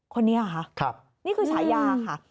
คนนี้ค่ะนี่คือฉายาค่ะ